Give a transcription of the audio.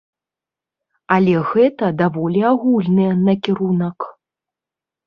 Але гэта даволі агульны накірунак.